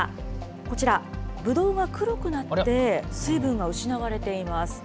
こちら、ブドウが黒くなって、水分が失われています。